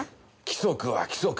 規則は規則。